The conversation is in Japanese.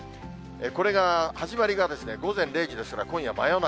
これが始まりが午前０時ですから今夜、真夜中。